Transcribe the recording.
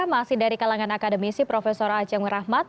masih dari kalangan akademisi profesor aceng rahmat